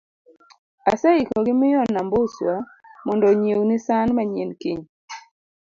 aseiko gi miyo Nambuswa mondo onyiewni san manyien kiny